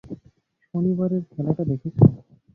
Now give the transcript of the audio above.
শনিবারের খেলাটা দেখেছ?